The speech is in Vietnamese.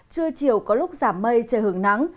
trưa chiều có lúc giảm mây trời hưởng nắng